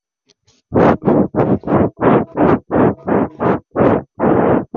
Mike LaValliere et son épouse Judy sont parents de quatre enfants.